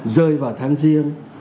rơi vào tháng riêng